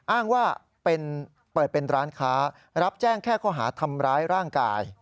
อ้างว่าเปิดเป็นร้านค้ารับแจ้งแค่ข้อหาทำร้ายร่างกาย